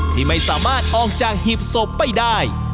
ที่ไม่สามารถออกจากหีบศพไปได้